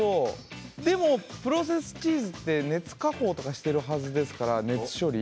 プロセスチーズって熱加工しているはずですから熱処理。